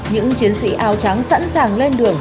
những chiến sĩ ao trắng sẵn sàng lên đường